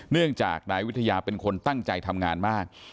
เนื่องจากนายวิทยาเป็นคนตั้งใจทำงานมาก